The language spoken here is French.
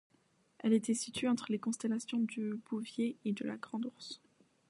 Elle était située entre les constellations du Bouvier et de la Grande Ourse.